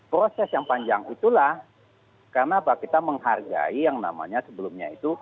proses yang panjang itulah karena apa kita menghargai yang namanya sebelumnya itu